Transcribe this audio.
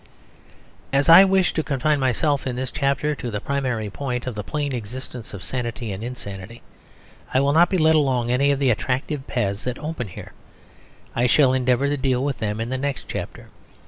As I wish to confine myself in this chapter to the primary point of the plain existence of sanity and insanity, I will not be led along any of the attractive paths that open here. I shall endeavour to deal with them in the next chapter.